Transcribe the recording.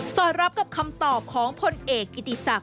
สอนรับกับคำตอบของผลเอกกีติศักรัฐประเศษ